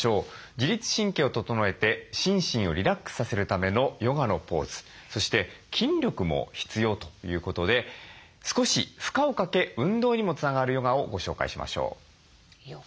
自律神経を整えて心身をリラックスさせるためのヨガのポーズそして筋力も必要ということで少し負荷をかけ運動にもつながるヨガをご紹介しましょう。